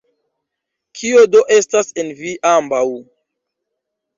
Kio do estas en vi ambaŭ?